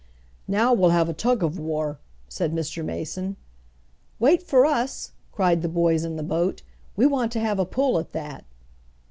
"Now we'll have a tug of war," said Mr. Mason. "Wait for us!" cried the boys in the boat "We want to have a pull at that."